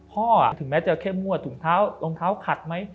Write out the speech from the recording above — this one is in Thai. พ่ออะถึงแม้จะแค่มวดถุงเท้ารองเท้าขัดไหม